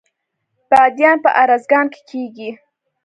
بادیان په ارزګان کې کیږي